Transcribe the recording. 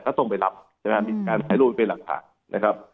ก็ต้องไปรับใช่ไหมมีการถ่ายรูปเป็นหลักฐานนะครับ